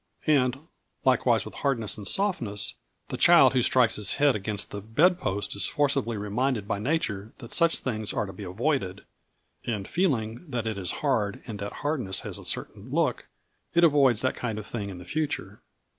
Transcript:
And likewise with hardness and softness, the child who strikes his head against the bed post is forcibly reminded by nature that such things are to be avoided, and feeling that it is hard and that hardness has a certain look, it avoids that kind of thing in the future.